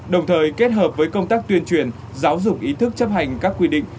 đồng thời kết hợp với công tác tuyên truyền giáo dục ý thức chấp hành các quy định